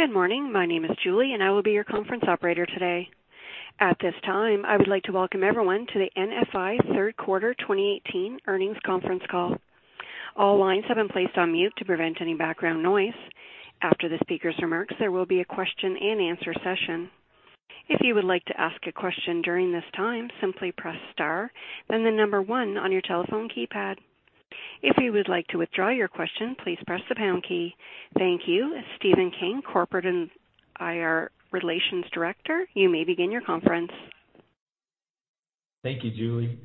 Good morning. My name is Julie, and I will be your conference operator today. At this time, I would like to welcome everyone to the NFI Third Quarter 2018 Earnings Conference Call. All lines have been placed on mute to prevent any background noise. After the speakers' remarks, there will be a question and answer session. If you would like to ask a question during this time, simply press star then the number 1 on your telephone keypad. If you would like to withdraw your question, please press the pound key. Thank you. Stephen King, Corporate and IR Relations Director, you may begin your conference. Thank you, Julie.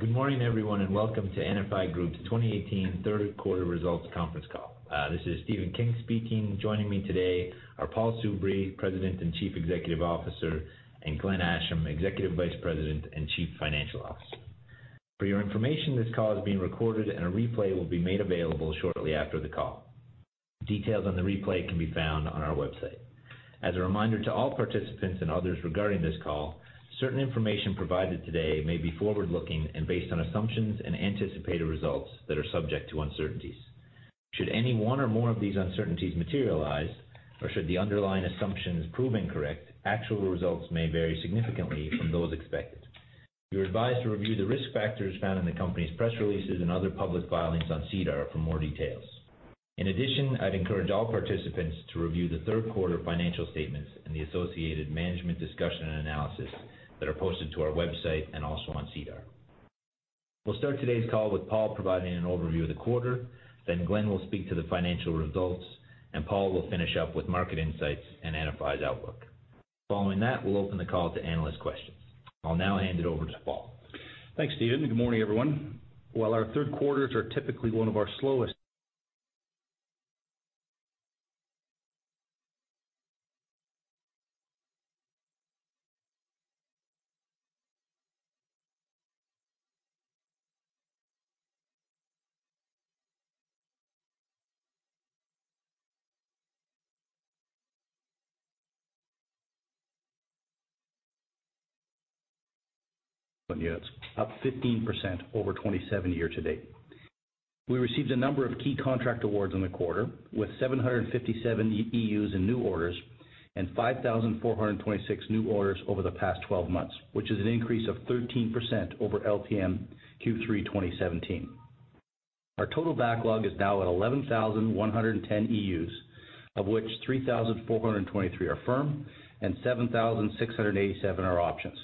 Good morning, everyone. Welcome to NFI Group's 2018 Third Quarter Results Conference Call. This is Stephen King speaking. Joining me today are Paul Soubry, President and Chief Executive Officer, and Glenn Asham, Executive Vice President and Chief Financial Officer. For your information, this call is being recorded. A replay will be made available shortly after the call. Details on the replay can be found on our website. As a reminder to all participants and others regarding this call, certain information provided today may be forward-looking and based on assumptions and anticipated results that are subject to uncertainties. Should any one or more of these uncertainties materialize, or should the underlying assumptions prove incorrect, actual results may vary significantly from those expected. You're advised to review the risk factors found in the company's press releases and other public filings on SEDAR for more details. In addition, I'd encourage all participants to review the third quarter financial statements and the associated management discussion and analysis that are posted to our website and also on SEDAR. We'll start today's call with Paul providing an overview of the quarter. Glenn will speak to the financial results. Paul will finish up with market insights and NFI's outlook. Following that, we'll open the call to analyst questions. I'll now hand it over to Paul. Thanks, Stephen. Good morning, everyone. While our third quarters are typically one of our slowest. That's up 15% over 27 year to date. We received a number of key contract awards in the quarter, with 757 EUs in new orders and 5,426 new orders over the past 12 months, which is an increase of 13% over LTMQ3 2017. Our total backlog is now at 11,110 EUs, of which 3,423 are firm and 7,687 are options,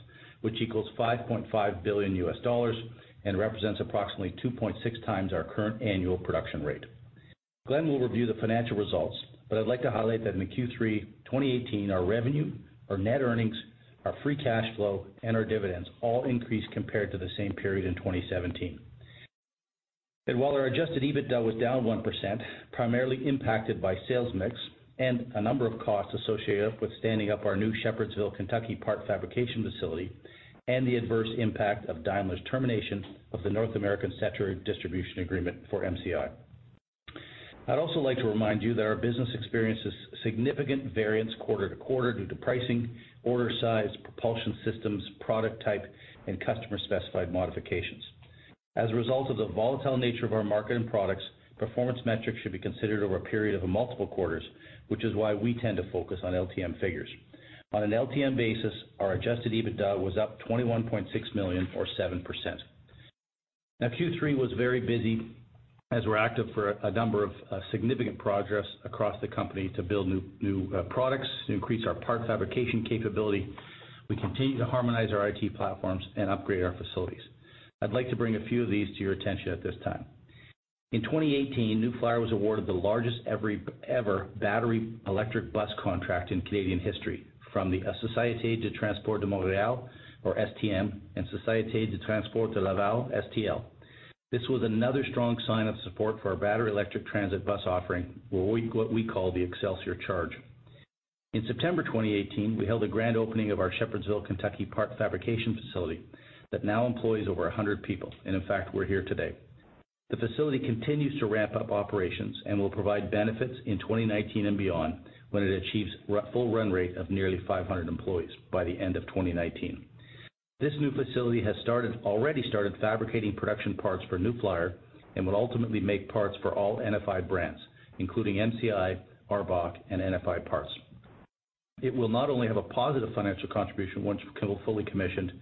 which equals $5.5 billion US dollars and represents approximately 2.6 times our current annual production rate. Glenn will review the financial results. I'd like to highlight that in the Q3 2018, our revenue, our net earnings, our free cash flow, and our dividends all increased compared to the same period in 2017. While our adjusted EBITDA was down 1%, primarily impacted by sales mix and a number of costs associated with standing up our new Shepherdsville, Kentucky part fabrication facility and the adverse impact of Daimler's termination of the North American Setra distribution agreement for MCI. I'd also like to remind you that our business experiences significant variance quarter-to-quarter due to pricing, order size, propulsion systems, product type, and customer-specified modifications. As a result of the volatile nature of our market and products, performance metrics should be considered over a period of multiple quarters, which is why we tend to focus on LTM figures. On an LTM basis, our adjusted EBITDA was up 21.6 million or 7%. Q3 was very busy as we're active for a number of significant progress across the company to build new products, to increase our parts fabrication capability. We continue to harmonize our IT platforms and upgrade our facilities. I'd like to bring a few of these to your attention at this time. In 2018, New Flyer was awarded the largest ever battery electric bus contract in Canadian history from the Société de transport de Montréal, or STM, and Société de transport de Laval, STL. This was another strong sign of support for our battery electric transit bus offering, what we call the Xcelsior CHARGE. In September 2018, we held a grand opening of our Shepherdsville, Kentucky parts fabrication facility that now employs over 100 people. In fact, we're here today. The facility continues to ramp up operations and will provide benefits in 2019 and beyond, when it achieves full run rate of nearly 500 employees by the end of 2019. This new facility has already started fabricating production parts for New Flyer and will ultimately make parts for all NFI brands, including MCI, ARBOC, and NFI Parts. It will not only have a positive financial contribution once fully commissioned,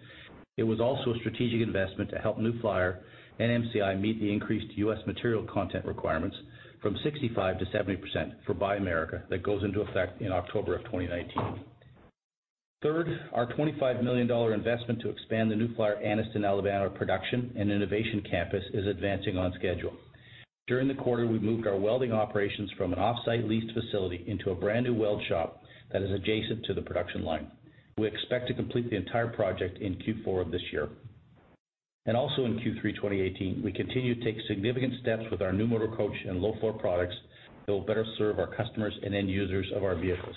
it was also a strategic investment to help New Flyer and MCI meet the increased U.S. material content requirements from 65%-70% for Buy America that goes into effect in October of 2019. Third, our 25 million dollar investment to expand the New Flyer Anniston, Alabama, production and innovation campus is advancing on schedule. During the quarter, we moved our welding operations from an off-site leased facility into a brand-new weld shop that is adjacent to the production line. We expect to complete the entire project in Q4 of this year. Also in Q3 2018, we continue to take significant steps with our new motor coach and low-floor products that will better serve our customers and end users of our vehicles.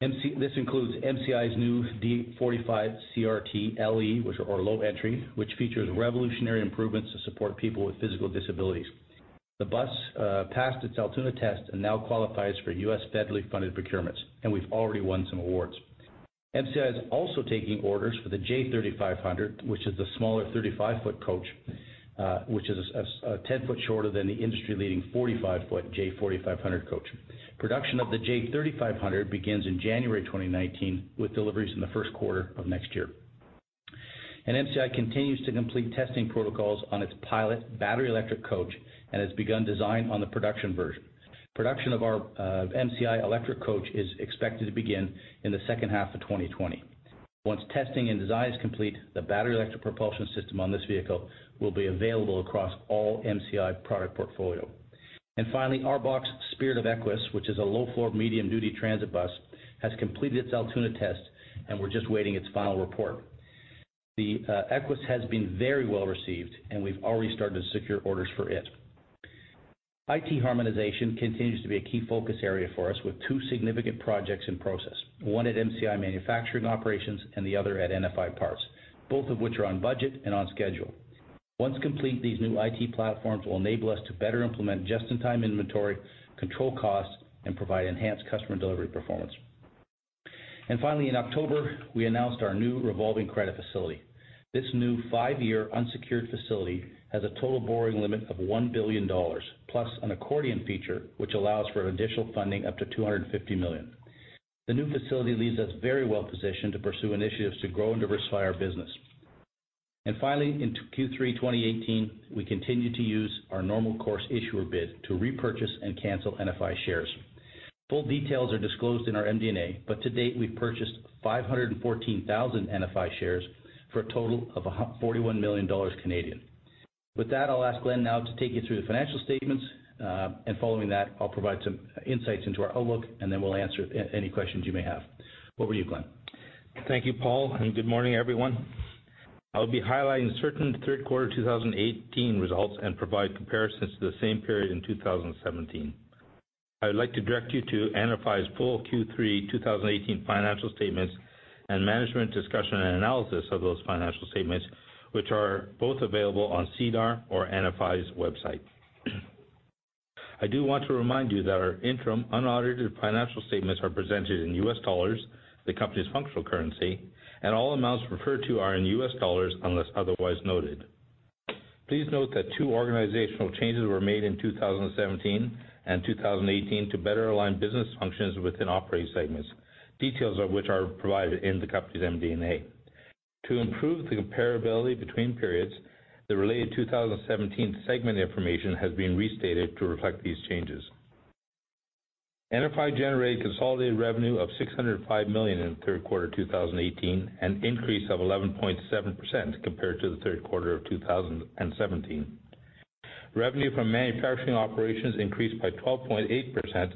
This includes MCI's new D45 CRT LE, which are our low entry, which features revolutionary improvements to support people with physical disabilities. The bus passed its Altoona test and now qualifies for U.S. federally funded procurements, and we've already won some awards. MCI is also taking orders for the J3500, which is the smaller 35-foot coach, which is 10-foot shorter than the industry-leading 45-foot J4500 coach. Production of the J3500 begins in January 2019, with deliveries in the first quarter of next year. MCI continues to complete testing protocols on its pilot battery electric coach and has begun design on the production version. Production of our MCI electric coach is expected to begin in the second half of 2020. Once testing and design is complete, the battery electric propulsion system on this vehicle will be available across all MCI product portfolio. ARBOC Spirit of Equess, which is a low-floor, medium-duty transit bus, has completed its Altoona test, and we're just waiting its final report. The Equess has been very well received, and we've already started to secure orders for it. IT harmonization continues to be a key focus area for us, with two significant projects in process. One at MCI manufacturing operations and the other at NFI Parts, both of which are on budget and on schedule. Once complete, these new IT platforms will enable us to better implement just-in-time inventory, control costs, and provide enhanced customer delivery performance. In October, we announced our new revolving credit facility. This new five-year unsecured facility has a total borrowing limit of $1 billion, plus an accordion feature, which allows for an additional funding up to $250 million. The new facility leaves us very well positioned to pursue initiatives to grow and diversify our business. In Q3 2018, we continued to use our normal course issuer bid to repurchase and cancel NFI shares. Full details are disclosed in our MD&A, but to date, we've purchased 514,000 NFI shares for a total of 41 million Canadian dollars. With that, I'll ask Glenn now to take you through the financial statements, and following that, I'll provide some insights into our outlook, and then we'll answer any questions you may have. Over to you, Glenn. Thank you, Paul, and good morning, everyone. I'll be highlighting certain third quarter 2018 results and provide comparisons to the same period in 2017. I would like to direct you to NFI's full Q3 2018 financial statements and Management Discussion and Analysis of those financial statements, which are both available on SEDAR or NFI's website. I do want to remind you that our interim unaudited financial statements are presented in US dollars, the company's functional currency, and all amounts referred to are in US dollars unless otherwise noted. Please note that two organizational changes were made in 2017 and 2018 to better align business functions within operating segments, details of which are provided in the company's MD&A. To improve the comparability between periods, the related 2017 segment information has been restated to reflect these changes. NFI generated consolidated revenue of $605 million in third quarter 2018, an increase of 11.7% compared to the third quarter of 2017. Revenue from manufacturing operations increased by 12.8%,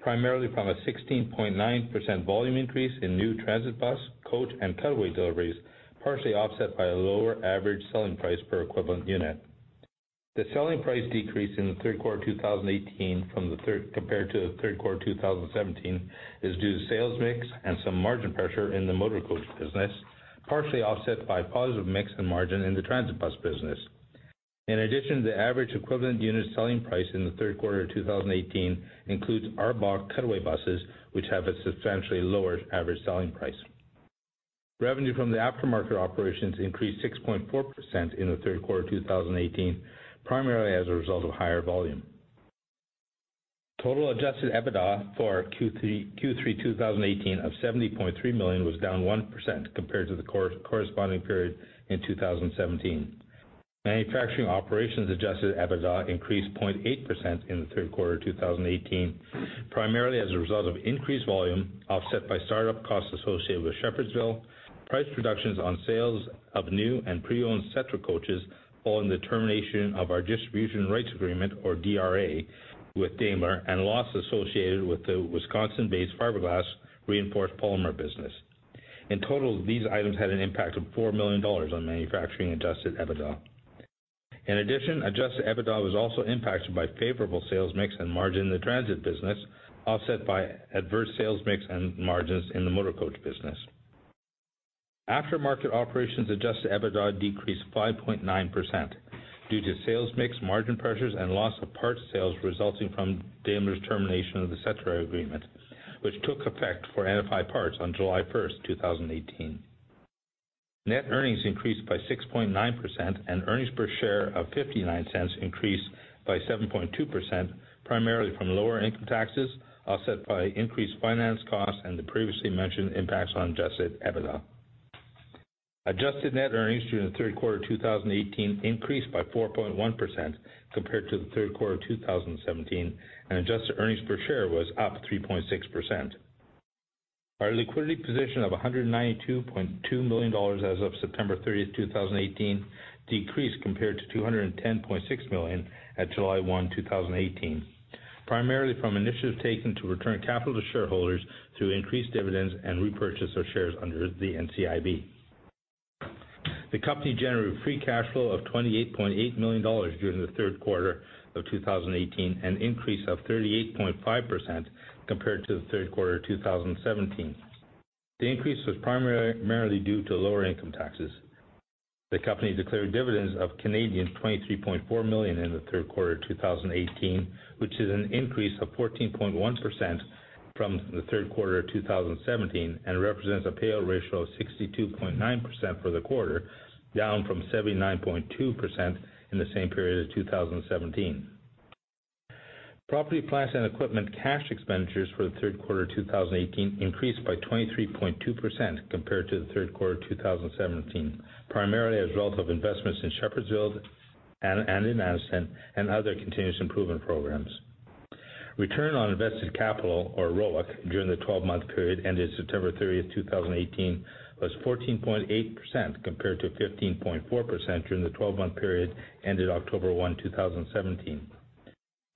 primarily from a 16.9% volume increase in new transit bus, coach, and cutaway deliveries, partially offset by a lower average selling price per equivalent unit. The selling price decrease in the third quarter 2018 compared to the third quarter 2017 is due to sales mix and some margin pressure in the motor coach business, partially offset by positive mix in margin in the transit bus business. In addition, the average equivalent unit selling price in the third quarter of 2018 includes ARBOC cutaway buses, which have a substantially lower average selling price. Revenue from the aftermarket operations increased 6.4% in the third quarter 2018, primarily as a result of higher volume. Total adjusted EBITDA for Q3 2018 of 70.3 million was down 1% compared to the corresponding period in 2017. Manufacturing operations adjusted EBITDA increased 0.8% in the third quarter of 2018, primarily as a result of increased volume offset by start-up costs associated with Shepherdsville, price reductions on sales of new and pre-owned Setra coaches following the termination of our distribution rights agreement, or DRA, with Daimler, and loss associated with the Wisconsin-based fiberglass reinforced polymer business. In total, these items had an impact of 4 million dollars on manufacturing adjusted EBITDA. In addition, adjusted EBITDA was also impacted by favorable sales mix and margin in the transit business, offset by adverse sales mix and margins in the motor coach business. Aftermarket operations adjusted EBITDA decreased 5.9% due to sales mix, margin pressures, and loss of parts sales resulting from Daimler's termination of the Setra agreement, which took effect for NFI Parts on July 1, 2018. Net earnings increased by 6.9%, and earnings per share of 0.59 increased by 7.2%, primarily from lower income taxes, offset by increased finance costs and the previously mentioned impacts on adjusted EBITDA. Adjusted net earnings during the third quarter 2018 increased by 4.1% compared to the third quarter 2017, and adjusted earnings per share was up 3.6%. Our liquidity position of 192.2 million dollars as of September 30, 2018, decreased compared to 210.6 million at July 1, 2018, primarily from initiatives taken to return capital to shareholders through increased dividends and repurchase of shares under the NCIB. The company generated free cash flow of 28.8 million dollars during the third quarter of 2018, an increase of 38.5% compared to the third quarter of 2017. The increase was primarily due to lower income taxes. The company declared dividends of 23.4 million Canadian dollars in the third quarter of 2018, which is an increase of 14.1% from the third quarter of 2017, and represents a payout ratio of 62.9% for the quarter, down from 79.2% in the same period of 2017. Property, plant, and equipment cash expenditures for the third quarter 2018 increased by 23.2% compared to the third quarter 2017, primarily as a result of investments in Shepherdsville and in Anniston, and other continuous improvement programs. Return on invested capital, or ROIC, during the 12-month period ended September 30, 2018, was 14.8% compared to 15.4% during the 12-month period ended October 1, 2017.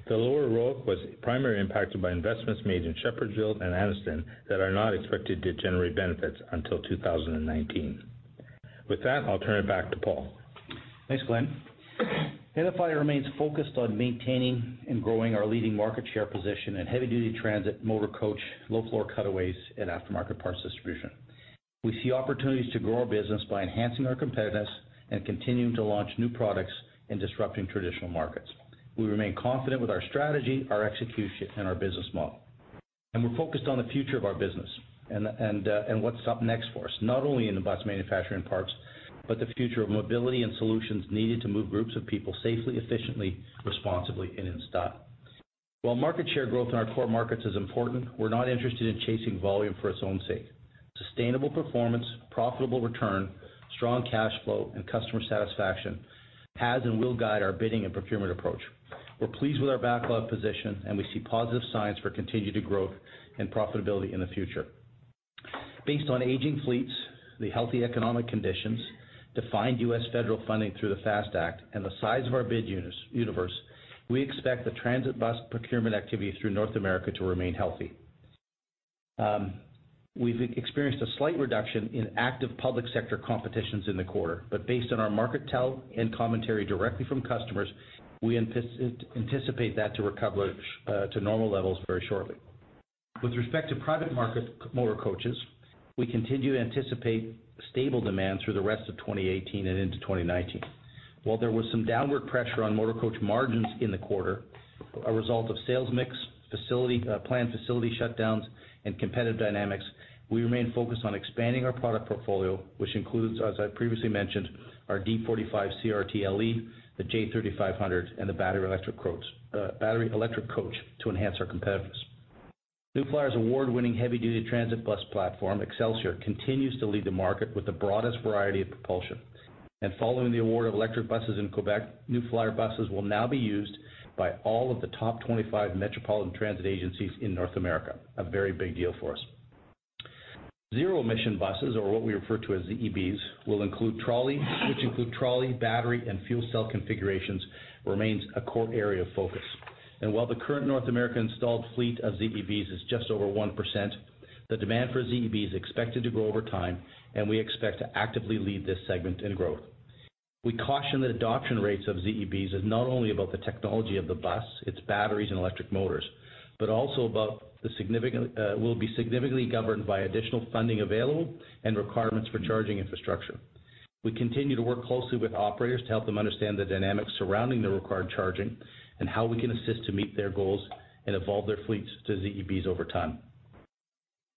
The lower ROIC was primarily impacted by investments made in Shepherdsville and Anniston that are not expected to generate benefits until 2019. With that, I'll turn it back to Paul. Thanks, Glenn. NFI remains focused on maintaining and growing our leading market share position in heavy-duty transit, motor coach, low-floor cutaways, and aftermarket parts distribution. We see opportunities to grow our business by enhancing our competitiveness and continuing to launch new products and disrupting traditional markets. We remain confident with our strategy, our execution, and our business model. We're focused on the future of our business and what's up next for us, not only in the bus manufacturing parts, but the future of mobility and solutions needed to move groups of people safely, efficiently, responsibly, and in style. While market share growth in our core markets is important, we're not interested in chasing volume for its own sake. Sustainable performance, profitable return, strong cash flow, and customer satisfaction has and will guide our bidding and procurement approach. We're pleased with our backlog position. We see positive signs for continued growth and profitability in the future. Based on aging fleets, the healthy economic conditions, defined U.S. federal funding through the FAST Act, and the size of our bid universe, we expect the transit bus procurement activity through North America to remain healthy. We've experienced a slight reduction in active public sector competitions in the quarter. Based on our market tell and commentary directly from customers, we anticipate that to recover to normal levels very shortly. With respect to private market motor coaches, we continue to anticipate stable demand through the rest of 2018 and into 2019. While there was some downward pressure on motor coach margins in the quarter, a result of sales mix, planned facility shutdowns, and competitive dynamics, we remain focused on expanding our product portfolio, which includes, as I previously mentioned, our D45 CRT LE, the J3500, and the battery electric coach to enhance our competitiveness. New Flyer's award-winning heavy-duty transit bus platform, Xcelsior, continues to lead the market with the broadest variety of propulsion. Following the award of electric buses in Quebec, New Flyer buses will now be used by all of the top 25 metropolitan transit agencies in North America, a very big deal for us. Zero-emission buses, or what we refer to as ZEBs, which include trolley, battery, and fuel cell configurations, remains a core area of focus. While the current North American installed fleet of ZEBs is just over 1%, the demand for ZEBs is expected to grow over time. We expect to actively lead this segment in growth. We caution that adoption rates of ZEBs is not only about the technology of the bus, its batteries, and electric motors, but also will be significantly governed by additional funding available and requirements for charging infrastructure. We continue to work closely with operators to help them understand the dynamics surrounding the required charging and how we can assist to meet their goals and evolve their fleets to ZEBs over time.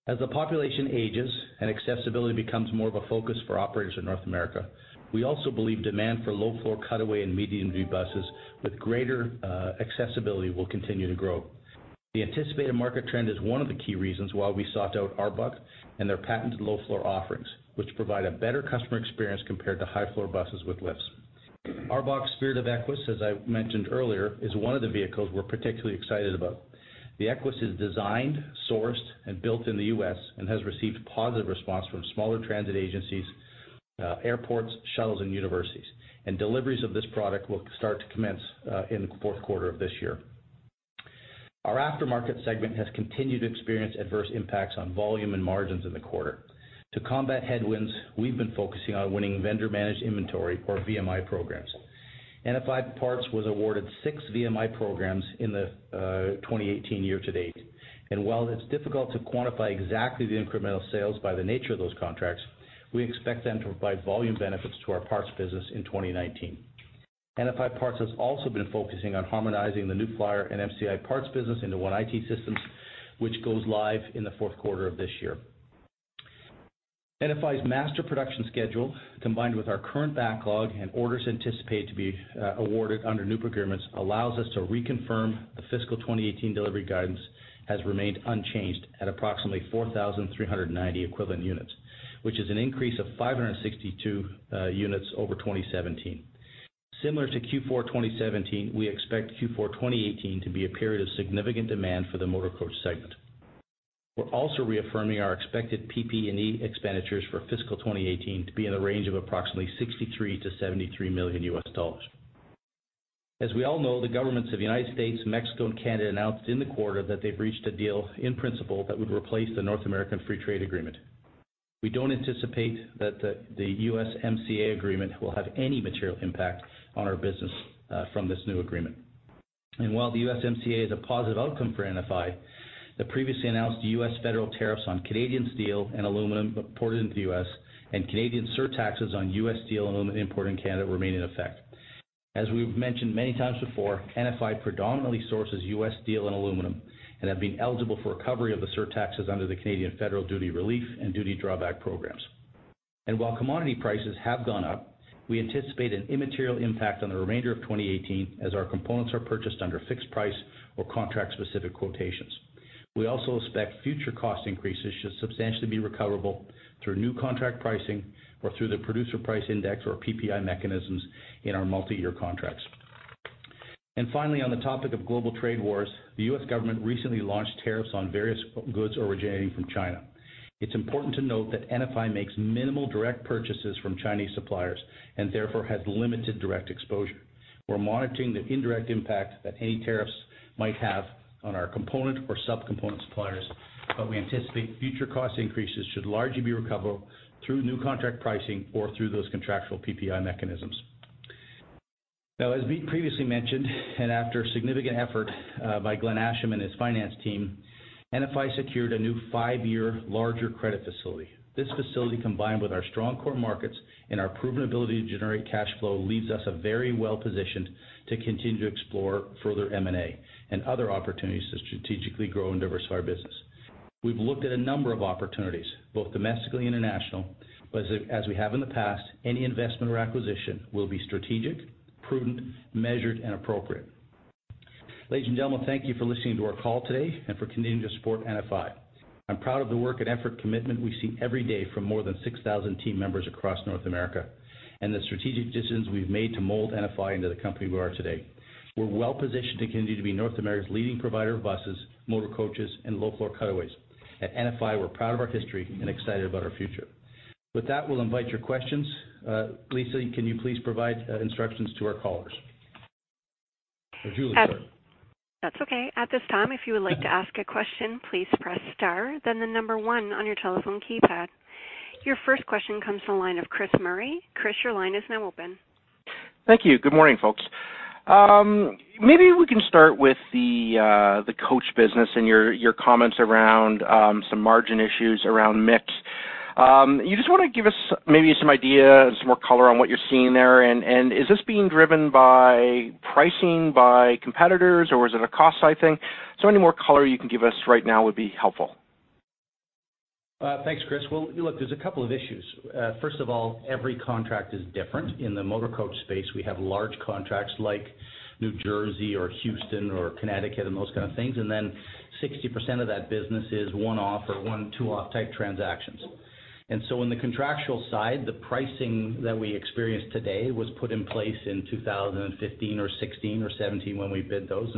As the population ages and accessibility becomes more of a focus for operators in North America, we also believe demand for low-floor cutaway and medium-duty buses with greater accessibility will continue to grow. The anticipated market trend is one of the key reasons why we sought out ARBOC and their patented low-floor offerings, which provide a better customer experience compared to high-floor buses with lifts. ARBOC Spirit of Equess, as I mentioned earlier, is one of the vehicles we're particularly excited about. The Equess is designed, sourced, and built in the U.S. and has received positive response from smaller transit agencies, airports, shuttles, and universities. Deliveries of this product will start to commence in the fourth quarter of this year. Our aftermarket segment has continued to experience adverse impacts on volume and margins in the quarter. To combat headwinds, we've been focusing on winning vendor-managed inventory or VMI programs. NFI Parts was awarded six VMI programs in the 2018 year to date. While it's difficult to quantify exactly the incremental sales by the nature of those contracts, we expect them to provide volume benefits to our parts business in 2019. NFI Parts has also been focusing on harmonizing the New Flyer and MCI parts business into one IT system, which goes live in the fourth quarter of this year. NFI's master production schedule, combined with our current backlog and orders anticipated to be awarded under new procurements, allows us to reconfirm the fiscal 2018 delivery guidance has remained unchanged at approximately 4,390 Equivalent Units, which is an increase of 562 units over 2017. Similar to Q4 2017, we expect Q4 2018 to be a period of significant demand for the motor coach segment. We're also reaffirming our expected PP&E expenditures for fiscal 2018 to be in the range of approximately $63 million-$73 million U.S. As we all know, the governments of the United States, Mexico, and Canada announced in the quarter that they've reached a deal in principle that would replace the North American Free Trade Agreement. We don't anticipate that the USMCA agreement will have any material impact on our business from this new agreement. While the USMCA is a positive outcome for NFI, the previously announced U.S. federal tariffs on Canadian steel and aluminum imported into the U.S., and Canadian surtaxes on U.S. steel and aluminum imported in Canada remain in effect. As we've mentioned many times before, NFI predominantly sources U.S. steel and aluminum and have been eligible for recovery of the surtaxes under the Canadian federal duty relief and duty drawback programs. While commodity prices have gone up, we anticipate an immaterial impact on the remainder of 2018 as our components are purchased under fixed price or contract specific quotations. We also expect future cost increases should substantially be recoverable through new contract pricing or through the Producer Price Index or PPI mechanisms in our multi-year contracts. Finally, on the topic of global trade wars, the U.S. government recently launched tariffs on various goods originating from China. It's important to note that NFI makes minimal direct purchases from Chinese suppliers and therefore has limited direct exposure. We're monitoring the indirect impact that any tariffs might have on our component or sub-component suppliers, but we anticipate future cost increases should largely be recoverable through new contract pricing or through those contractual PPI mechanisms. As we previously mentioned, after a significant effort by Glenn Asham and his finance team, NFI secured a new five-year larger credit facility. This facility, combined with our strong core markets and our proven ability to generate cash flow, leaves us very well-positioned to continue to explore further M&A and other opportunities to strategically grow and diversify our business. We've looked at a number of opportunities, both domestically and international. As we have in the past, any investment or acquisition will be strategic, prudent, measured, and appropriate. Ladies and gentlemen, thank you for listening to our call today and for continuing to support NFI. I'm proud of the work and effort commitment we see every day from more than 6,000 team members across North America. The strategic decisions we've made to mold NFI into the company we are today. We're well positioned to continue to be North America's leading provider of buses, motor coaches, and low-floor cutaways. At NFI, we're proud of our history and excited about our future. We'll invite your questions. Lisa, can you please provide instructions to our callers? Julie, sorry. That's okay. At this time, if you would like to ask a question, please press star, the number one on your telephone keypad. Your first question comes from the line of Chris Murray. Chris, your line is now open. Thank you. Good morning, folks. Maybe we can start with the coach business and your comments around some margin issues around mix. You just want to give us maybe some idea and some more color on what you're seeing there? Is this being driven by pricing by competitors, or is it a cost side thing? Any more color you can give us right now would be helpful. Thanks, Chris. Well, look, there's 2 issues. First of all, every contract is different. In the motorcoach space, we have large contracts like New Jersey or Houston or Connecticut and those kind of things, then 60% of that business is 1-off or 2-off type transactions. On the contractual side, the pricing that we experienced today was put in place in 2015 or 2016 or 2017 when we bid those.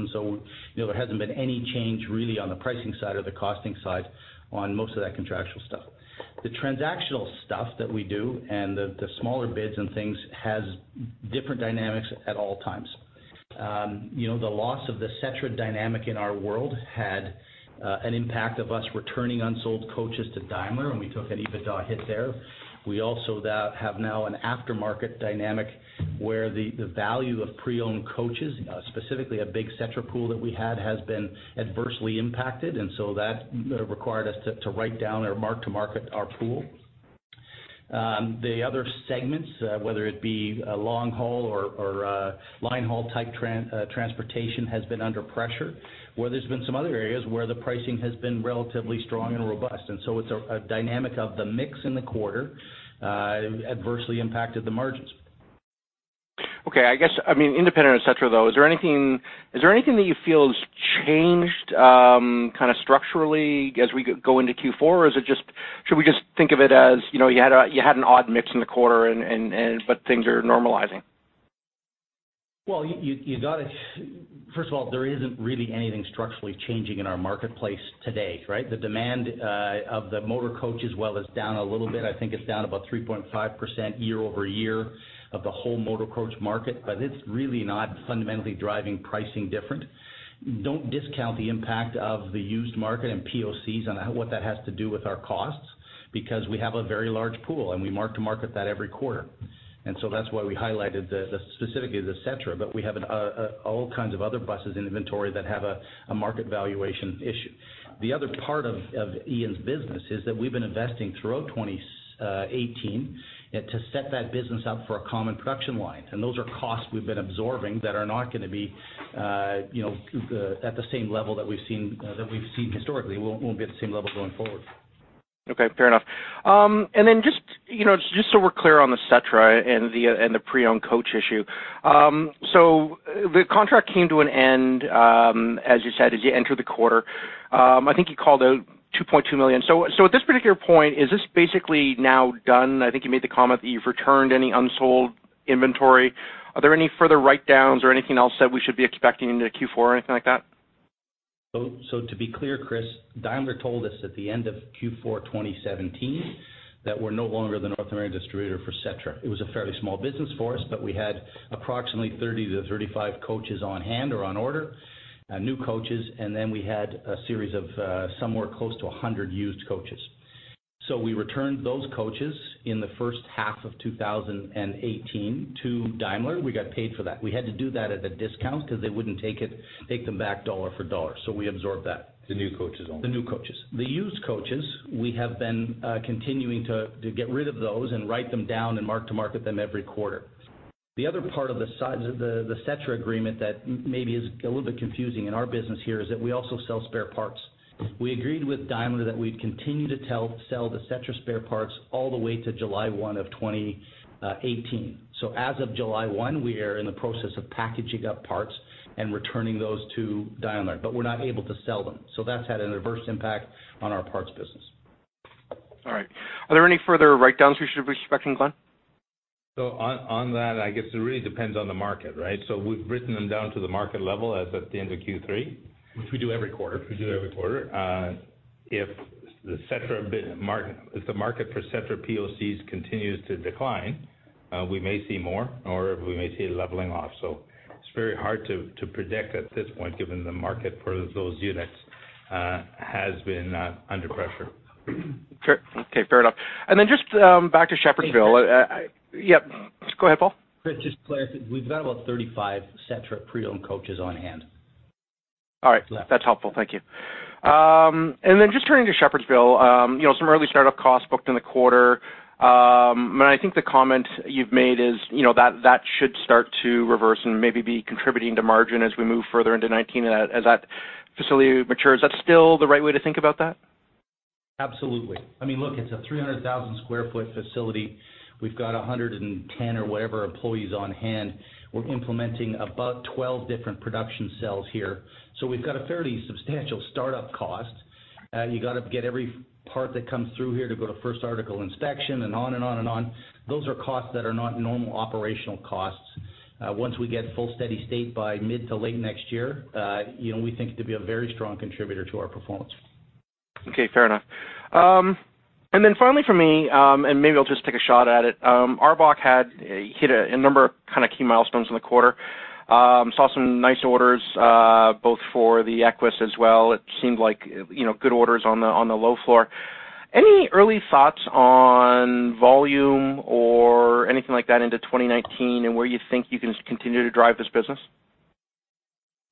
There hasn't been any change really on the pricing side or the costing side on most of that contractual stuff. The transactional stuff that we do and the smaller bids and things has different dynamics at all times. The loss of the Setra dynamic in our world had an impact of us returning unsold coaches to Daimler, and we took an EBITDA hit there. We also have now an aftermarket dynamic where the value of pre-owned coaches, specifically a big Setra pool that we had, has been adversely impacted, so that required us to write down or mark to market our pool. The other segments, whether it be long haul or line haul type transportation, has been under pressure, where there's been some other areas where the pricing has been relatively strong and robust. It's a dynamic of the mix in the quarter, adversely impacted the margins. Okay. I guess, independent of Setra, though, is there anything that you feel has changed structurally as we go into Q4? Or should we just think of it as you had an odd mix in the quarter, but things are normalizing? Well, first of all, there isn't really anything structurally changing in our marketplace today, right? The demand of the motorcoach as well is down a little bit. I think it's down about 3.5% year-over-year of the whole motorcoach market, but it's really not fundamentally driving pricing different. Don't discount the impact of the used market and POCs on what that has to do with our costs, because we have a very large pool, and we mark to market that every quarter. That's why we highlighted specifically the Setra, but we have all kinds of other buses in inventory that have a market valuation issue. The other part of Ian's business is that we've been investing throughout 2018 to set that business up for a common production line. Those are costs we've been absorbing that are not going to be at the same level that we've seen historically. Won't be at the same level going forward. Okay, fair enough. Just so we're clear on the Setra and the pre-owned coach issue. The contract came to an end, as you said, as you enter the quarter. I think you called out $2.2 million. At this particular point, is this basically now done? I think you made the comment that you've returned any unsold inventory. Are there any further write-downs or anything else that we should be expecting into Q4 or anything like that? To be clear, Chris, Daimler told us at the end of Q4 2017 that we're no longer the North American distributor for Setra. It was a fairly small business for us, but we had approximately 30-35 coaches on hand or on order, new coaches, and then we had a series of somewhere close to 100 used coaches. We returned those coaches in the first half of 2018 to Daimler. We got paid for that. We had to do that at a discount because they wouldn't take them back dollar for dollar, we absorbed that. The new coaches only. The new coaches. The used coaches, we have been continuing to get rid of those and write them down and mark to market them every quarter. The other part of the Setra agreement that maybe is a little bit confusing in our business here is that we also sell spare parts. We agreed with Daimler that we'd continue to sell the Setra spare parts all the way to July 1 of 2018. As of July 1, we are in the process of packaging up parts and returning those to Daimler, but we're not able to sell them. That's had an adverse impact on our parts business. All right. Are there any further write-downs we should be expecting, Glenn? On that, I guess it really depends on the market, right? We've written them down to the market level as at the end of Q3. Which we do every quarter. Which we do every quarter. If the market for Setra CPO continues to decline, we may see more, or we may see a leveling off. It's very hard to predict at this point, given the market for those units has been under pressure. Okay. Fair enough. Just back to Shepherdsville. Yep. Go ahead, Paul. Chris, just to be clear, we've got about 35 Setra pre-owned coaches on hand. All right. That's helpful. Thank you. Just turning to Shepherdsville, some early start-up costs booked in the quarter. I think the comment you've made is that should start to reverse and maybe be contributing to margin as we move further into 2019, as that facility matures. Is that still the right way to think about that? Absolutely. I mean, look, it's a 300,000 sq ft facility. We've got 110, or whatever, employees on hand. We're implementing about 12 different production cells here. We've got a fairly substantial start-up cost. You got to get every part that comes through here to go to first article inspection and on and on and on. Those are costs that are not normal operational costs. Once we get full steady state by mid to late next year, we think it could be a very strong contributor to our performance. Okay. Fair enough. Finally from me, maybe I'll just take a shot at it. ARBOC hit a number of key milestones in the quarter. Saw some nice orders, both for the Equess as well. It seemed like good orders on the low floor. Any early thoughts on volume or anything like that into 2019 and where you think you can continue to drive this business?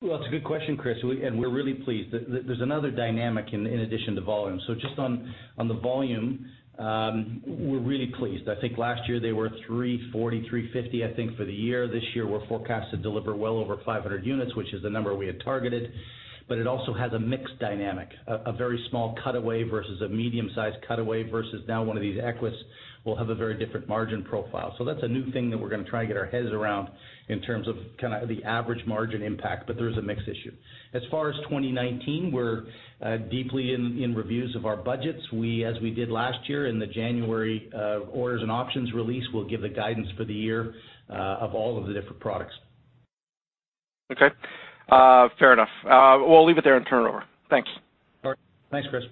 Well, that's a good question, Chris, we're really pleased. There's another dynamic in addition to volume. Just on the volume, we're really pleased. I think last year they were 340, 350, I think for the year. This year, we're forecast to deliver well over 500 units, which is the number we had targeted. It also has a mix dynamic, a very small cutaway versus a medium-sized cutaway versus now one of these Equess will have a very different margin profile. That's a new thing that we're going to try and get our heads around in terms of the average margin impact. There is a mix issue. As far as 2019, we're deeply in reviews of our budgets. As we did last year in the January orders and options release, we'll give the guidance for the year of all of the different products. Okay. Fair enough. We'll leave it there and turn it over. Thanks. All right. Thanks, Chris.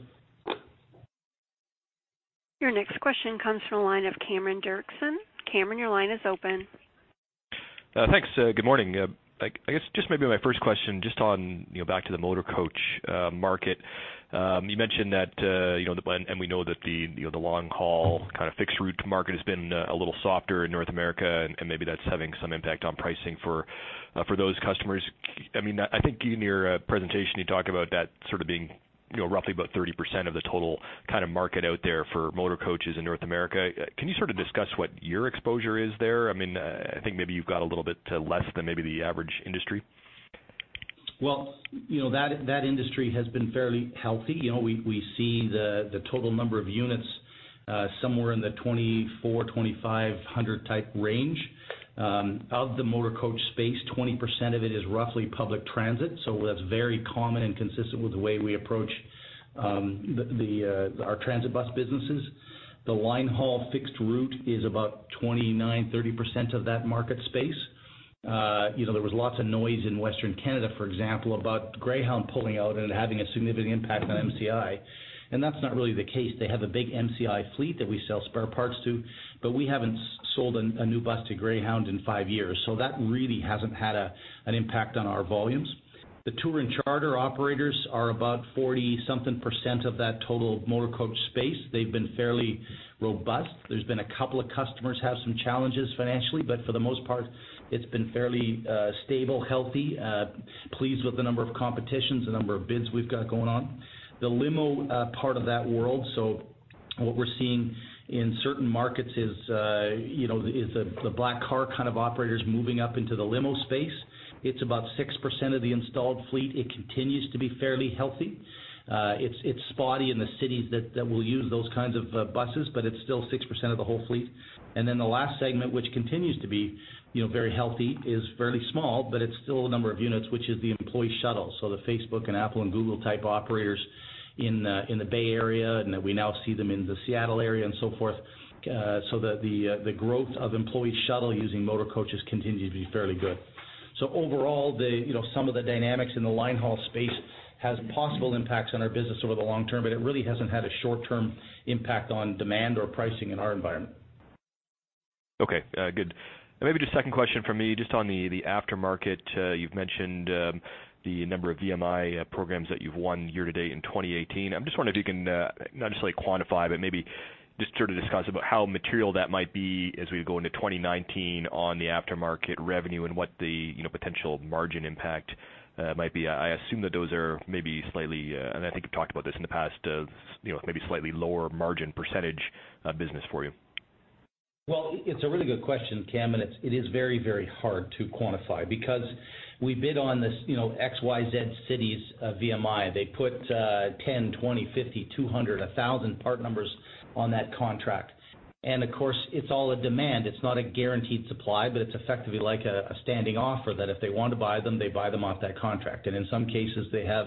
Your next question comes from the line of Cameron Doerksen. Cameron, your line is open. Thanks. Good morning. I guess just maybe my first question, just on back to the motor coach market. You mentioned that, we know that the long-haul fixed route market has been a little softer in North America, maybe that's having some impact on pricing for those customers. I think in your presentation, you talked about that being roughly about 30% of the total market out there for motor coaches in North America. Can you sort of discuss what your exposure is there? I think maybe you've got a little bit less than maybe the average industry. Well, that industry has been fairly healthy. We see the total number of units somewhere in the 2,400, 2,500 type range. Of the motor coach space, 20% of it is roughly public transit, that's very common and consistent with the way we approach our transit bus businesses. The line haul fixed route is about 29%, 30% of that market space. There was lots of noise in Western Canada, for example, about Greyhound pulling out it having a significant impact on MCI, that's not really the case. They have a big MCI fleet that we sell spare parts to, but we haven't sold a new bus to Greyhound in five years. That really hasn't had an impact on our volumes. The tour and charter operators are about 40 something% of that total motor coach space. They've been fairly robust. There's been a couple of customers have some challenges financially. For the most part, it's been fairly stable, healthy. Pleased with the number of competitions, the number of bids we've got going on. The limo part of that world. What we're seeing in certain markets is the black car kind of operators moving up into the limo space. It's about 6% of the installed fleet. It continues to be fairly healthy. It's spotty in the cities that will use those kinds of buses. It's still 6% of the whole fleet. The last segment, which continues to be very healthy, is fairly small, but it's still a number of units, which is the employee shuttle. The Facebook and Apple and Google type operators in the Bay Area, and we now see them in the Seattle area and so forth. The growth of employee shuttle using motor coaches continue to be fairly good. Overall, some of the dynamics in the line haul space has possible impacts on our business over the long term, but it really hasn't had a short-term impact on demand or pricing in our environment. Okay, good. Maybe just second question from me, just on the aftermarket. You've mentioned the number of VMI programs that you've won year to date in 2018. I'm just wondering if you can, not just quantify, but maybe just sort of discuss about how material that might be as we go into 2019 on the aftermarket revenue and what the potential margin impact might be. I assume that those are maybe slightly, and I think you've talked about this in the past, maybe slightly lower margin percentage business for you. Well, it's a really good question, Cam. It is very hard to quantify because we bid on this XYZ cities VMI. They put 10, 20, 50, 200, 1,000 part numbers on that contract. Of course, it's all a demand. It's not a guaranteed supply, but it's effectively like a standing offer that if they want to buy them, they buy them off that contract. In some cases, they have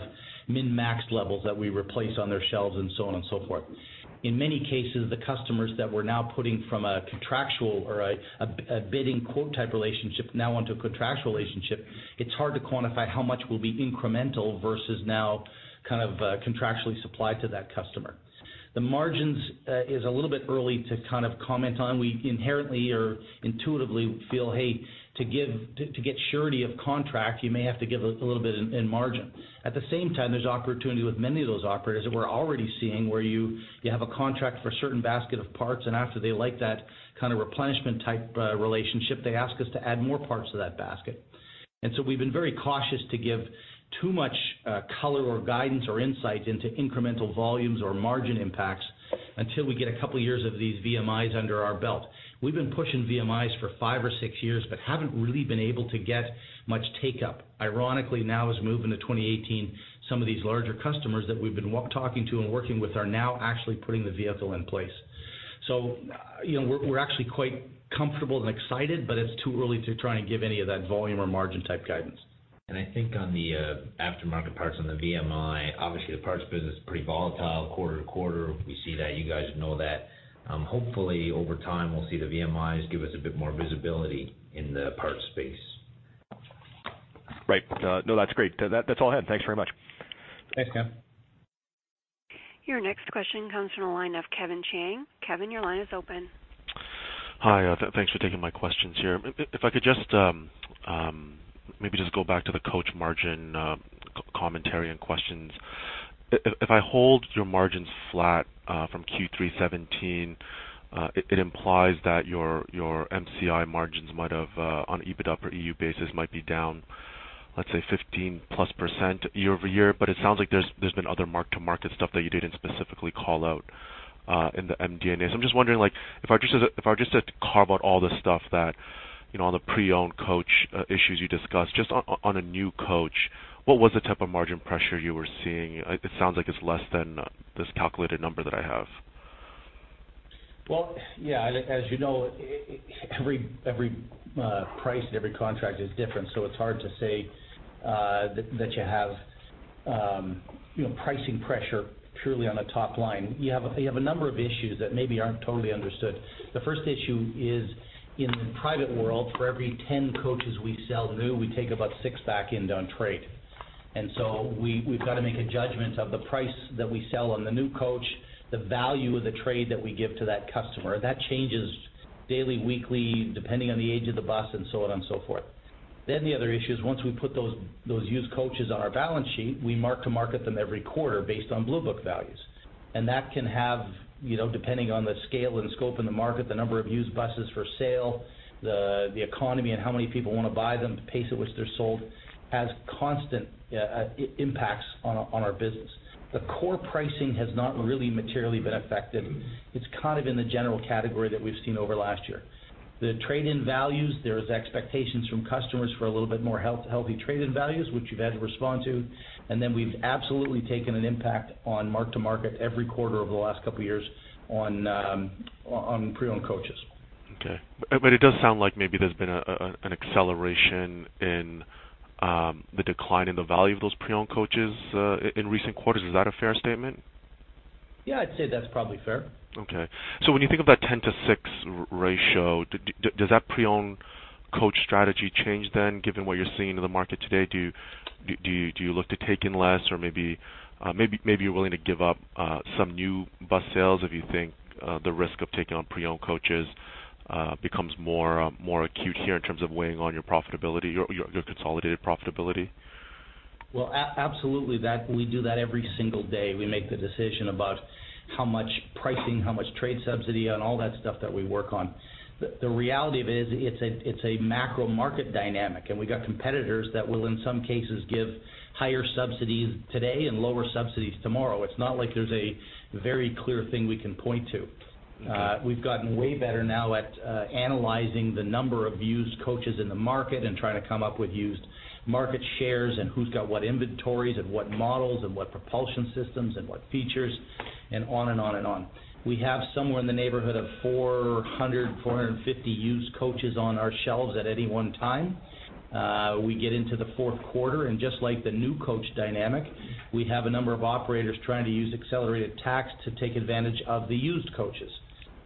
min-max levels that we replace on their shelves and so on and so forth. In many cases, the customers that we're now putting from a bidding quote type relationship now onto a contract relationship, it's hard to quantify how much will be incremental versus now contractually supplied to that customer. The margins is a little bit early to comment on. We inherently or intuitively feel, hey, to get surety of contract, you may have to give a little bit in margin. At the same time, there's opportunity with many of those operators that we're already seeing where you have a contract for a certain basket of parts, and after they like that kind of replenishment type relationship, they ask us to add more parts to that basket. We've been very cautious to give too much color or guidance or insight into incremental volumes or margin impacts until we get a couple of years of these VMIs under our belt. We've been pushing VMIs for five or six years but haven't really been able to get much take-up. Ironically, now as we move into 2018, some of these larger customers that we've been talking to and working with are now actually putting the vehicle in place. We're actually quite comfortable and excited, but it's too early to try and give any of that volume or margin type guidance. I think on the aftermarket parts on the VMI, obviously the parts business is pretty volatile quarter to quarter. We see that, you guys know that. Hopefully over time, we'll see the VMIs give us a bit more visibility in the parts space. Right. No, that's great. That's all I had. Thanks very much. Thanks, Cam. Your next question comes from the line of Kevin Chiang. Kevin, your line is open. Hi, thanks for taking my questions here. If I could just maybe go back to the coach margin commentary and questions. If I hold your margins flat from Q3 2017, it implies that your MCI margins might have, on EBIT or EU basis, might be down, let's say, 15%+ year-over-year. It sounds like there's been other mark-to-market stuff that you didn't specifically call out in the MD&A. I'm just wondering, if I were just to carve out all the stuff that, all the pre-owned coach issues you discussed, just on a new coach, what was the type of margin pressure you were seeing? It sounds like it's less than this calculated number that I have. Well, yeah, as you know, every price and every contract is different. It's hard to say that you have pricing pressure purely on a top line. You have a number of issues that maybe aren't totally understood. The first issue is in the private world, for every 10 coaches we sell new, we take about six back in on trade. We've got to make a judgment of the price that we sell on the new coach, the value of the trade that we give to that customer. That changes daily, weekly, depending on the age of the bus and so on and so forth. The other issue is once we put those used coaches on our balance sheet, we mark to market them every quarter based on Blue Book values. That can have, depending on the scale and scope in the market, the number of used buses for sale, the economy, and how many people want to buy them, the pace at which they're sold, has constant impacts on our business. The core pricing has not really materially been affected. It's kind of in the general category that we've seen over last year. The trade-in values, there is expectations from customers for a little bit more healthy trade-in values, which we've had to respond to. Then we've absolutely taken an impact on mark to market every quarter over the last couple of years on pre-owned coaches. Okay. It does sound like maybe there's been an acceleration in the decline in the value of those pre-owned coaches in recent quarters. Is that a fair statement? Yeah, I'd say that's probably fair. Okay. When you think of that 10 to 6 ratio, does that pre-owned coach strategy change then, given what you're seeing in the market today? Do you look to take in less or maybe you're willing to give up some new bus sales if you think the risk of taking on pre-owned coaches becomes more acute here in terms of weighing on your consolidated profitability? Well, absolutely. We do that every single day. We make the decision about how much pricing, how much trade subsidy, on all that stuff that we work on. The reality of it is, it's a macro market dynamic, and we've got competitors that will in some cases give higher subsidies today and lower subsidies tomorrow. It's not like there's a very clear thing we can point to. We've gotten way better now at analyzing the number of used coaches in the market and trying to come up with used market shares and who's got what inventories and what models and what propulsion systems and what features, and on and on and on. We have somewhere in the neighborhood of 400, 450 used coaches on our shelves at any one time. We get into the fourth quarter, and just like the new coach dynamic, we have a number of operators trying to use accelerated tax to take advantage of the used coaches.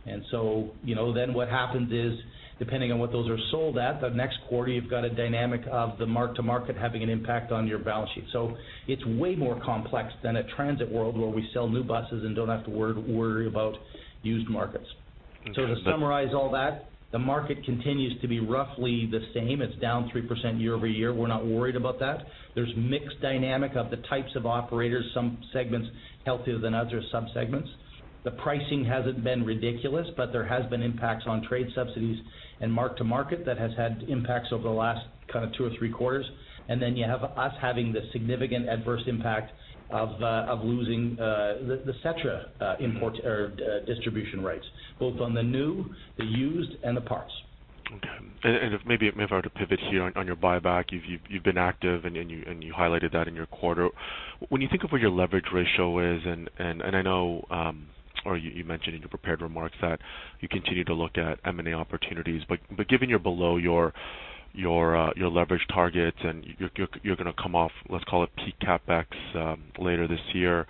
What happens is, depending on what those are sold at, the next quarter, you've got a dynamic of the mark to market having an impact on your balance sheet. To summarize all that, the market continues to be roughly the same. It's down 3% year-over-year. We're not worried about that. There's mixed dynamic of the types of operators, some segments healthier than others, some segments. The pricing hasn't been ridiculous, but there has been impacts on trade subsidies and mark to market that has had impacts over the last two or three quarters. You have us having the significant adverse impact of losing the Setra import or distribution rights, both on the new, the used, and the parts. Okay. If maybe I were to pivot here on your buyback. You've been active, and you highlighted that in your quarter. When you think of where your leverage ratio is, I know, or you mentioned in your prepared remarks that you continue to look at M&A opportunities, given you're below your leverage targets and you're going to come off, let's call it, peak CapEx later this year,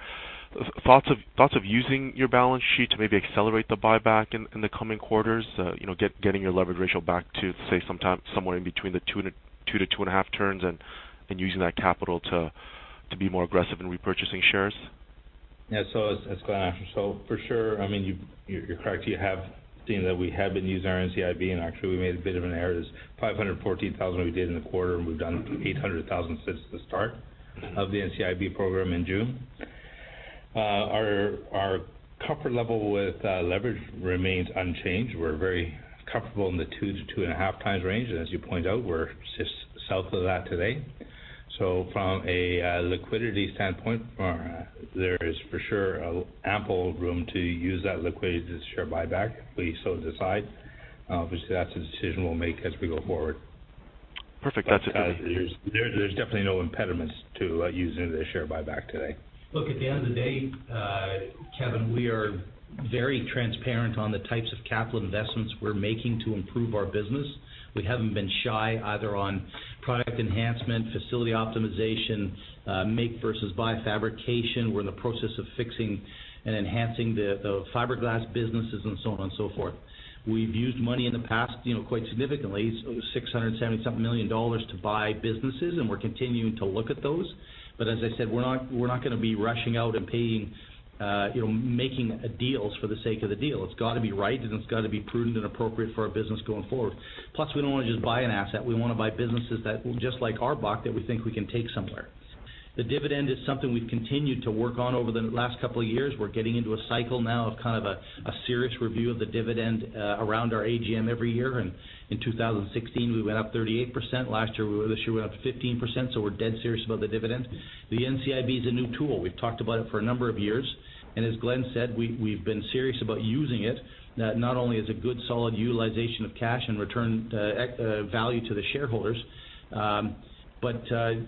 thoughts of using your balance sheet to maybe accelerate the buyback in the coming quarters getting your leverage ratio back to, say, somewhere in between the two to two and a half turns and using that capital to be more aggressive in repurchasing shares? Yeah. As Glenn mentioned, for sure, you're correct, you have seen that we have been using our NCIB, actually we made a bit of an error. There's 514,000 we did in the quarter, we've done 800,000 since the start of the NCIB program in June. Our comfort level with leverage remains unchanged. We're very comfortable in the 2 to 2.5 times range. As you point out, we're just south of that today. From a liquidity standpoint, there is for sure ample room to use that liquidity to share buyback if we so decide. Obviously, that's a decision we'll make as we go forward. Perfect. That's it then. There's definitely no impediments to using the share buyback today. At the end of the day, Kevin, we are very transparent on the types of capital investments we're making to improve our business. We haven't been shy either on product enhancement, facility optimization, make versus buy fabrication. We're in the process of fixing and enhancing the fiberglass businesses and so on and so forth. We've used money in the past quite significantly, 670-something million dollars to buy businesses, we're continuing to look at those. As I said, we're not going to be rushing out and making deals for the sake of the deal. It's got to be right, it's got to be prudent and appropriate for our business going forward. Plus, we don't want to just buy an asset. We want to buy businesses that, just like ARBOC, that we think we can take somewhere. The dividend is something we've continued to work on over the last couple of years. We're getting into a cycle now of kind of a serious review of the dividend around our AGM every year. In 2016, we went up 38%. Last year, this year, we're up 15%. We're dead serious about the dividends. The NCIB is a new tool. We've talked about it for a number of years. As Glenn said, we've been serious about using it. Not only is it good, solid utilization of cash and return value to the shareholders, but to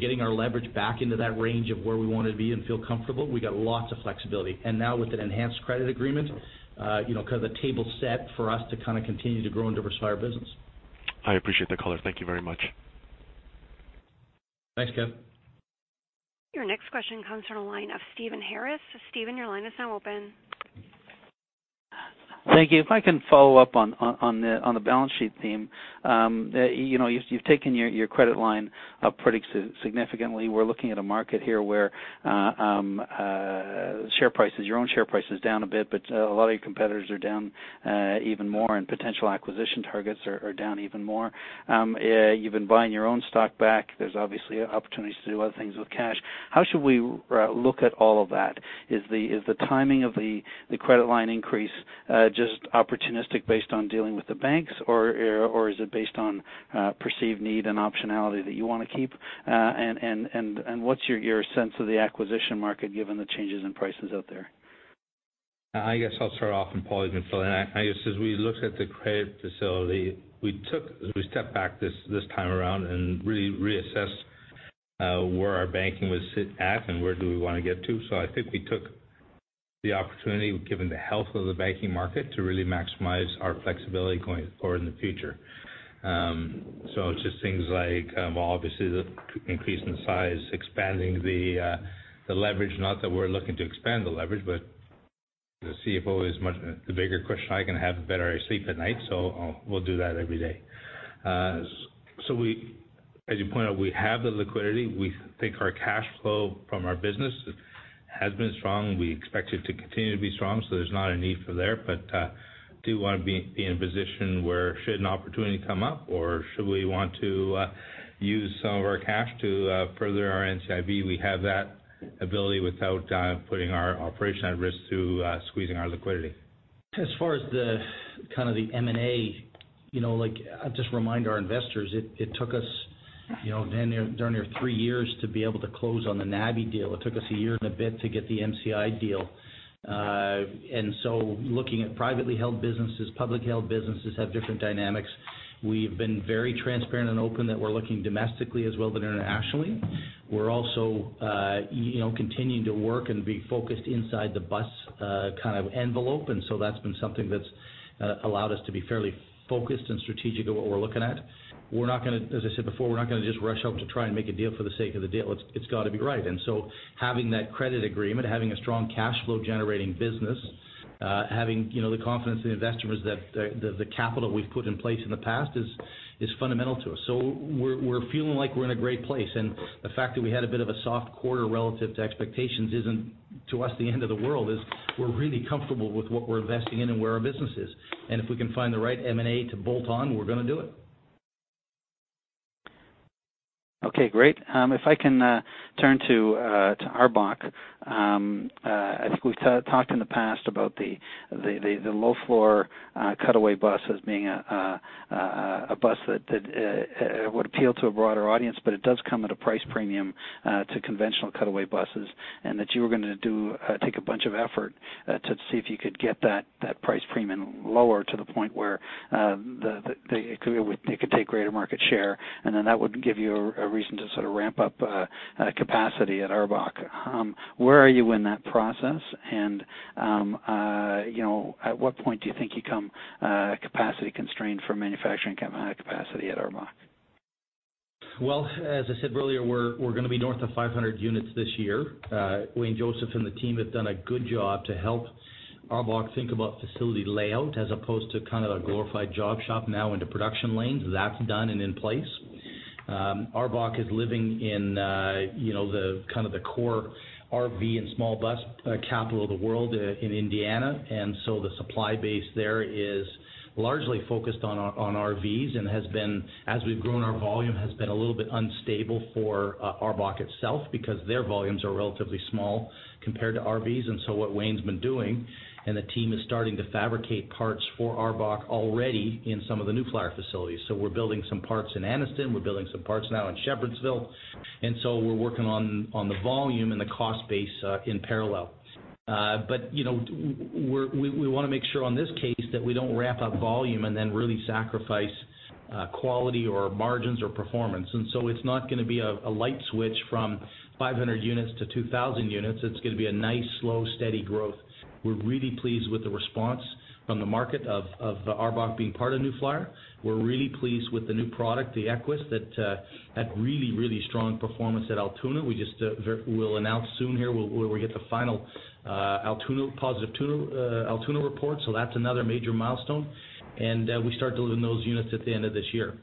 getting our leverage back into that range of where we want to be and feel comfortable, we got lots of flexibility. Now with an enhanced credit agreement, the table's set for us to continue to grow and diversify our business. I appreciate the color. Thank you very much. Thanks, Kevin. Your next question comes from the line of Steven Harris. Steven, your line is now open. Thank you. If I can follow up on the balance sheet theme. You've taken your credit line up pretty significantly. We're looking at a market here where share prices, your own share price is down a bit, but a lot of your competitors are down even more, and potential acquisition targets are down even more. You've been buying your own stock back. There's obviously opportunities to do other things with cash. How should we look at all of that? Is the timing of the credit line increase just opportunistic based on dealing with the banks, or is it based on perceived need and optionality that you want to keep? What's your sense of the acquisition market given the changes in prices out there? I guess I'll start off, Paul, you can fill in. I guess as we looked at the credit facility, we took as we stepped back this time around and really reassessed where our banking would sit at and where do we want to get to. I think we took the opportunity, given the health of the banking market, to really maximize our flexibility going forward in the future. Just things like, well, obviously the increase in size, expanding the leverage, not that we're looking to expand the leverage, but the CFO is much the bigger question I can have the better I sleep at night, so we'll do that every day. As you point out, we have the liquidity. We think our cash flow from our business has been strong. We expect it to continue to be strong, there's not a need for there. Do want to be in a position where should an opportunity come up or should we want to use some of our cash to further our NCIB, we have that ability without putting our operation at risk to squeezing our liquidity. As far as the M&A, I'll just remind our investors, it took us damn near 3 years to be able to close on the NABI deal. It took us a year and a bit to get the MCI deal. Looking at privately held businesses, public held businesses have different dynamics. We've been very transparent and open that we're looking domestically as well but internationally. We're also continuing to work and be focused inside the bus envelope. That's been something that's allowed us to be fairly focused and strategic of what we're looking at. As I said before, we're not going to just rush out to try and make a deal for the sake of the deal. It's got to be right. Having that credit agreement, having a strong cash flow generating business, having the confidence in the investors that the capital we've put in place in the past is fundamental to us. We're feeling like we're in a great place, and the fact that we had a bit of a soft quarter relative to expectations isn't, to us, the end of the world, is we're really comfortable with what we're investing in and where our business is. If we can find the right M&A to bolt on, we're going to do it. Okay, great. If I can turn to ARBOC. I think we've talked in the past about the low-floor cutaway bus as being a bus that would appeal to a broader audience, but it does come at a price premium to conventional cutaway buses, and that you were going to take a bunch of effort to see if you could get that price premium lower to the point where it could take greater market share, and then that would give you a reason to ramp up capacity at ARBOC. Where are you in that process? At what point do you think you become capacity constrained for manufacturing at capacity at ARBOC? Well, as I said earlier, we're going to be north of 500 units this year. Wayne Joseph and the team have done a good job to help ARBOC think about facility layout as opposed to a glorified job shop now into production lanes. That's done and in place. ARBOC is living in the core RV and small bus capital of the world in Indiana, and so the supply base there is largely focused on RVs and has been, as we've grown our volume, has been a little bit unstable for ARBOC itself because their volumes are relatively small compared to RVs. What Wayne's been doing, and the team is starting to fabricate parts for ARBOC already in some of the New Flyer facilities. We're building some parts in Anniston, we're building some parts now in Shepherdsville, and so we're working on the volume and the cost base in parallel. We want to make sure on this case that we don't ramp up volume and then really sacrifice quality or margins or performance. It's not going to be a light switch from 500 units to 2,000 units. It's going to be a nice, slow, steady growth. We're really pleased with the response from the market of ARBOC being part of New Flyer. We're really pleased with the new product, the Equess, that had really strong performance at Altoona. We'll announce soon here when we get the final positive Altoona report, so that's another major milestone. We start delivering those units at the end of this year.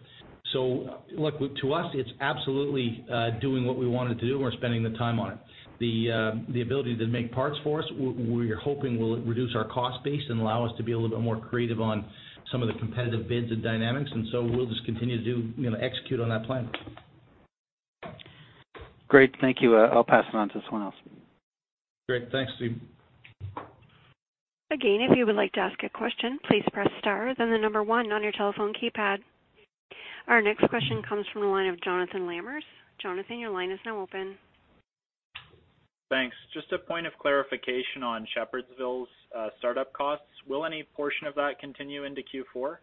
Look, to us, it's absolutely doing what we wanted to do, and we're spending the time on it. The ability to make parts for us, we're hoping will reduce our cost base and allow us to be a little bit more creative on some of the competitive bids and dynamics, we'll just continue to execute on that plan. Great. Thank you. I'll pass it on to someone else. Great. Thanks, Steve. Again, if you would like to ask a question, please press star, then the number one on your telephone keypad. Our next question comes from the line of Jonathan Lamers. Jonathan, your line is now open. Thanks. Just a point of clarification on Shepherdsville's startup costs. Will any portion of that continue into Q4?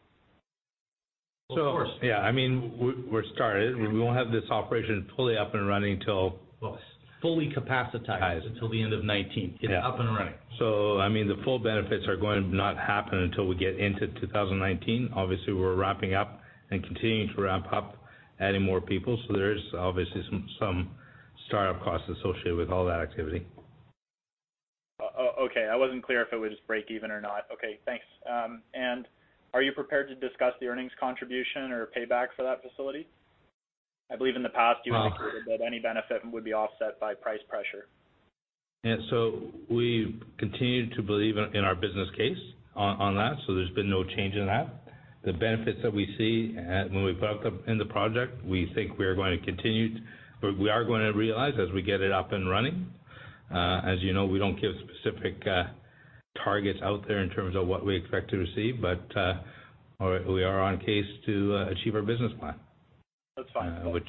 Of course. Yeah, we're started. We won't have this operation fully up and running until. Well, fully capacitized until the end of 2019. It's up and running the full benefits are going to not happen until we get into 2019. Obviously, we're ramping up and continuing to ramp up, adding more people. There is obviously some startup costs associated with all that activity. Okay. I wasn't clear if it would just break even or not. Okay, thanks. Are you prepared to discuss the earnings contribution or payback for that facility? I believe in the past you indicated that any benefit would be offset by price pressure. we've continued to believe in our business case on that. There's been no change in that. The benefits that we see when we put up in the project, we think we are going to realize as we get it up and running. As you know, we don't give specific targets out there in terms of what we expect to receive, but we are on case to achieve our business plan. That's fine. Which-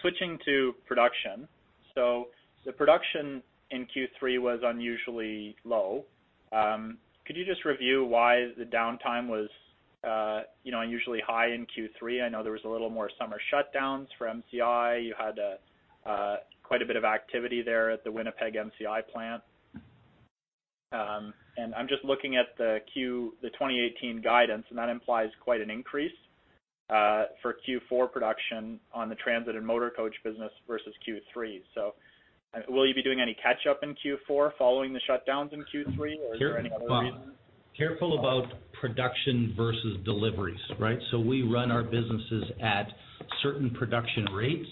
Switching to production. The production in Q3 was unusually low. Could you just review why the downtime was unusually high in Q3? I know there was a little more summer shutdowns for MCI. You had quite a bit of activity there at the Winnipeg MCI plant. I'm just looking at the 2018 guidance, and that implies quite an increase for Q4 production on the transit and motor coach business versus Q3. Will you be doing any catch-up in Q4 following the shutdowns in Q3, or is there any other reason? Careful about production versus deliveries, right? We run our businesses at certain production rates.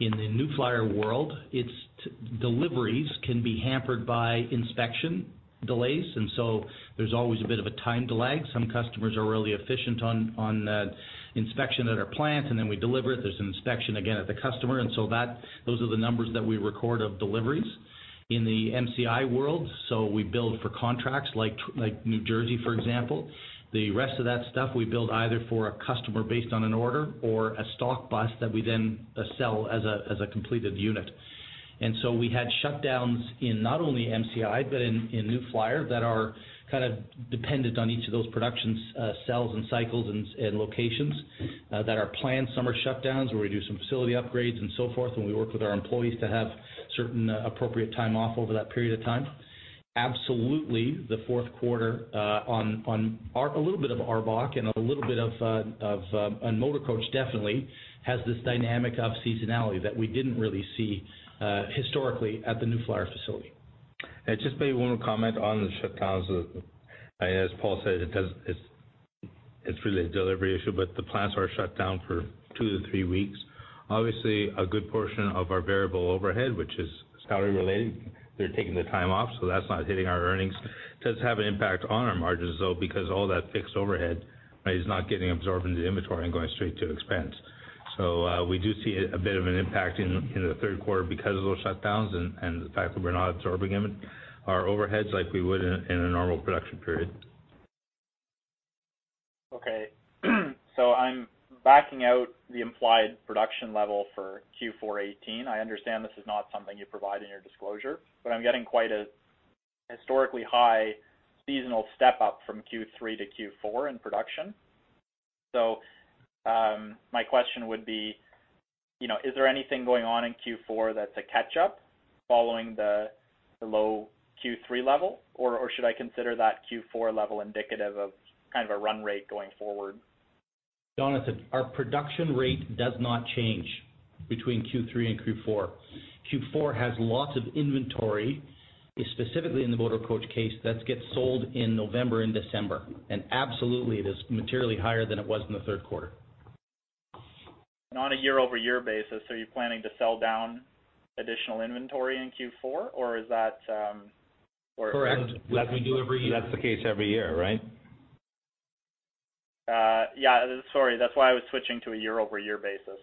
In the New Flyer world, its deliveries can be hampered by inspection delays, there's always a bit of a time delay. Some customers are really efficient on the inspection at our plant, then we deliver it. There's an inspection again at the customer, those are the numbers that we record of deliveries. In the MCI world, we build for contracts like New Jersey, for example. The rest of that stuff we build either for a customer based on an order or a stock bus that we then sell as a completed unit. We had shutdowns in not only MCI, but in New Flyer that are dependent on each of those production cells and cycles and locations that are planned summer shutdowns where we do some facility upgrades and forth, we work with our employees to have certain appropriate time off over that period of time. Absolutely, the fourth quarter on a little bit of ARBOC and motor coach definitely has this dynamic of seasonality that we didn't really see historically at the New Flyer facility. Just maybe one comment on the shutdowns. As Paul said, it's really a delivery issue, but the plants are shut down for two to three weeks. Obviously, a good portion of our variable overhead, which is salary-related, they're taking the time off, that's not hitting our earnings. Does have an impact on our margins, though, because all that fixed overhead is not getting absorbed into the inventory and going straight to expense. We do see a bit of an impact in the third quarter because of those shutdowns and the fact that we're not absorbing our overheads like we would in a normal production period. I am backing out the implied production level for Q4 2018. I understand this is not something you provide in your disclosure, but I am getting quite a historically high seasonal step-up from Q3 to Q4 in production. My question would be, is there anything going on in Q4 that is a catch-up following the low Q3 level? Or should I consider that Q4 level indicative of kind of a run rate going forward? Jonathan, our production rate does not change between Q3 and Q4. Q4 has lots of inventory, specifically in the motor coach case, that gets sold in November and December, and absolutely it is materially higher than it was in the third quarter. On a year-over-year basis, are you planning to sell down additional inventory in Q4? Or is that- Correct. Like we do every year. That's the case every year, right? Yeah, sorry, that's why I was switching to a year-over-year basis.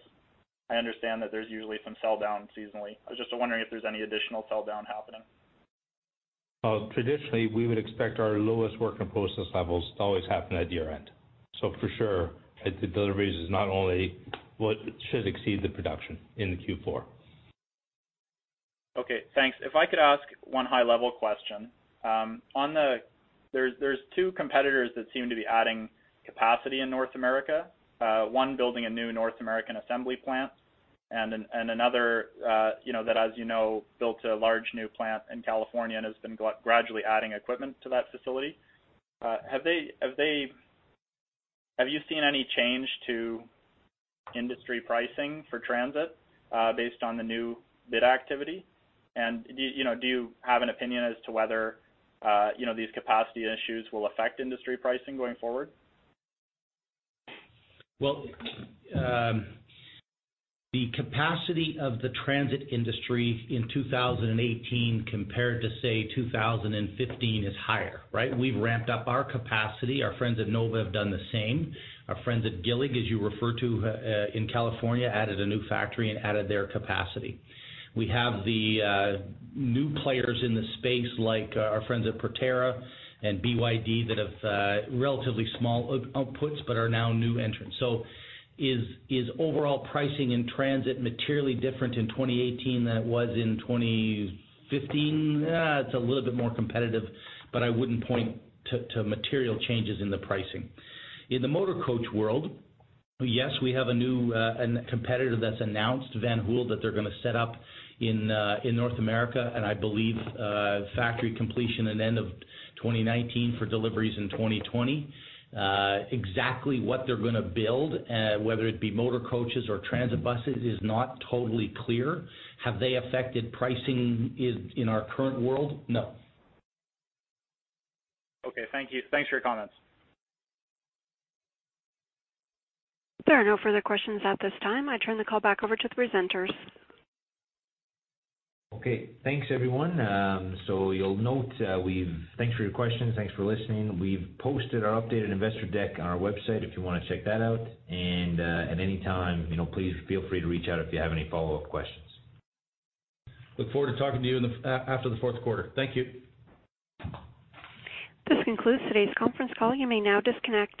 I understand that there's usually some sell-down seasonally. I was just wondering if there's any additional sell-down happening. Traditionally, we would expect our lowest work in process levels to always happen at year-end. For sure, the deliveries is not only what should exceed the production in the Q4. Okay, thanks. If I could ask one high-level question. There's two competitors that seem to be adding capacity in North America. One building a new North American assembly plant and another, that as you know, built a large new plant in California and has been gradually adding equipment to that facility. Have you seen any change to industry pricing for transit based on the new bid activity? Do you have an opinion as to whether these capacity issues will affect industry pricing going forward? Well, the capacity of the transit industry in 2018 compared to, say, 2015 is higher, right? We've ramped up our capacity. Our friends at Nova have done the same. Our friends at Gillig, as you referred to in California, added a new factory and added their capacity. We have the new players in the space, like our friends at Proterra and BYD, that have relatively small outputs but are now new entrants. Is overall pricing in transit materially different in 2018 than it was in 2015? It's a little bit more competitive, but I wouldn't point to material changes in the pricing. In the motor coach world, yes, we have a new competitor that's announced, Van Hool, that they're going to set up in North America, and I believe factory completion in end of 2019 for deliveries in 2020. Exactly what they're going to build, whether it be motor coaches or transit buses, is not totally clear. Have they affected pricing in our current world? No. Okay. Thank you. Thanks for your comments. There are no further questions at this time. I turn the call back over to the presenters. Okay, thanks everyone. Thanks for your questions, thanks for listening. We've posted our updated investor deck on our website if you want to check that out. At any time, please feel free to reach out if you have any follow-up questions. Look forward to talking to you after the fourth quarter. Thank you. This concludes today's conference call. You may now disconnect.